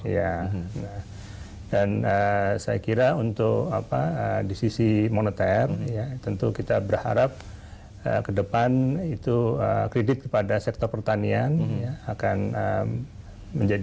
ya dan saya kira untuk apa di sisi moneter tentu kita berharap ke depan itu kredit kepada sektor pertanian akan menjadi